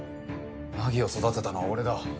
凪を育てたのは俺だ。